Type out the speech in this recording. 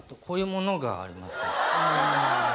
こういうものがあります。